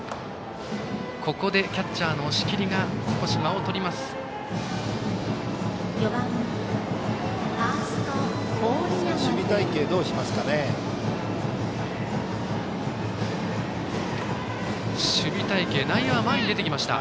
ここでキャッチャーの押切が少し間をとりました。